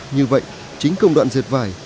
như vậy chính công đoạn diệt vải